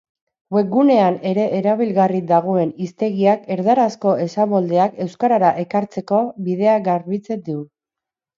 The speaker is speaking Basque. Webgunean ere erabilgarri dagoen hiztegiak erdarazko esamoldeak euskarara ekartzeko bidea garbitzen du.